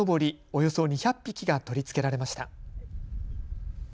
およそ２００匹が取り付けられました。